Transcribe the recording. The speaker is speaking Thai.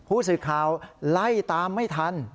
ผู้สื่อข่าวไล่ตามไม่ทัน